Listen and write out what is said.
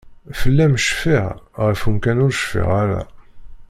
Fell-am cfiɣ, ɣef umkan ur cfiɣ ara.